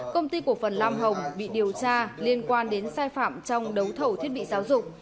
công ty cổ phần lam hồng bị điều tra liên quan đến sai phạm trong đấu thầu thiết bị giáo dục